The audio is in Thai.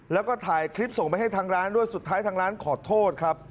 แล้วก็ถ่ายคลิปส่งไปให้ทางร้านด้วยสุดท้ายทางร้านขอโทษครับ